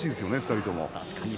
２人とも。